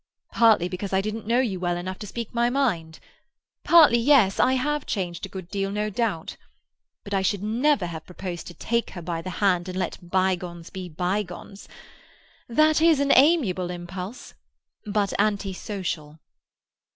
"Partly because I didn't know you well enough to speak my mind. Partly yes, I have changed a good deal, no doubt. But I should never have proposed to take her by the hand and let bygones be bygones. That is an amiable impulse, but anti social."